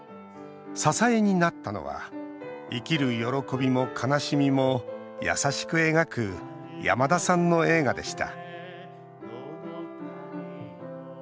支えになったのは生きる喜びも悲しみも優しく描く山田さんの映画でした。